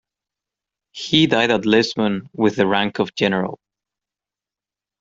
He died at Lisbon with the rank of General.